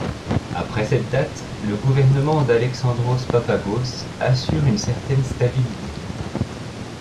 Après cette date, le gouvernement d’Aléxandros Papágos assure une certaine stabilité.